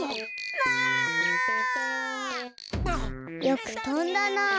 よくとんだなあ。